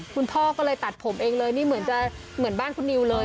พ่อก็เลยตัดผมเองเลยนี่เหมือนจะเหมือนบ้านคุณนิวเลย